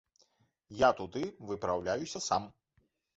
Я туды выпраўляюся сам!